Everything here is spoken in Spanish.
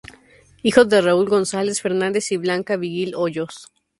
Hijo de Raúl González Fernández y Blanca Vigil Hoyos.